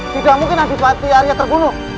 tidak mungkin andi arya terbunuh